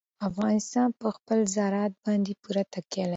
افغانستان په خپل زراعت باندې پوره تکیه لري.